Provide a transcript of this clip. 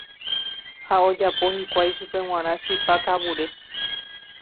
Ha ojapo hikuái chupe g̃uarã chipa kavure.